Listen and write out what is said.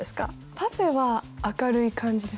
「パフェ」は明るい感じです。